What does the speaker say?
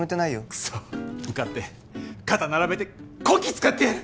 クソッ受かって肩並べてこき使ってやる！